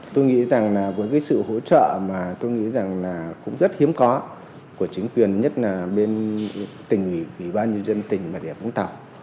tôi nghĩ rằng là với cái sự hỗ trợ mà tôi nghĩ rằng là cũng rất hiếm có của chính quyền nhất là bên tỉnh ủy ủy ban nhân dân tỉnh bà địa vũng tàu